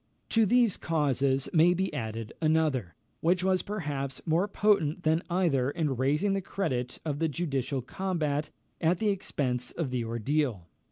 To these causes may be added another, which was perhaps more potent than either in raising the credit of the judicial combat at the expense of the ordeal.